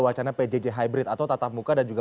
wacana pjj hybrid atau tatap muka dan juga